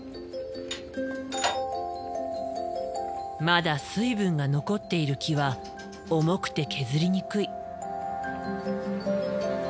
まだ水分が残っている木は重くて削りにくい。